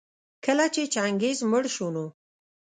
کله چي چنګېز مړ شو نو